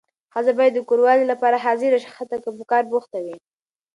ښځه باید د کوروالې لپاره حاضره شي حتی که په کار بوخته وي.